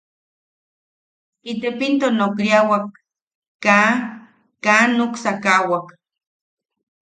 Itepinto nokriawak kaa... kaa nuksakawak.